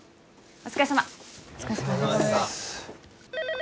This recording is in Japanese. お疲れさまです。